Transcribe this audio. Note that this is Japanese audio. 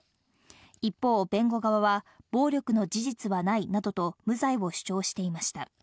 一方、弁護側は暴力の事実はないなどと無罪を主張していました。